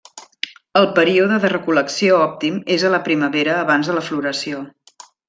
El període de recol·lecció òptim és a la primavera abans de la floració.